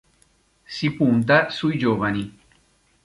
Si punta sui giovani.